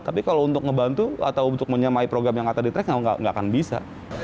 tapi kalau untuk ngebantu atau untuk menyamai program yang ada di track nggak akan bisa